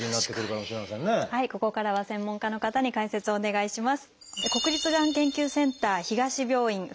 ここからは専門家の方に解説をお願いします。